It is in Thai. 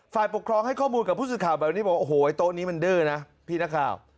ฝ่ายปกครองให้ข้อมูลกับผู้สื่อข่าวแบบนี้บอกโอ้โหโต๊ะนี้มันดื้อนะพี่นักข่าว